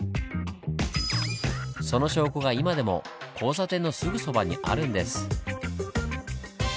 その証拠が今でも交差点のすぐそばにあるんです。